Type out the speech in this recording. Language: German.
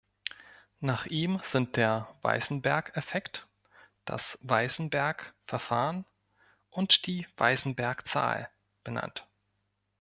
Nach ihm sind der Weissenberg-Effekt, das Weissenberg-Verfahren und die Weissenberg-Zahl benannt.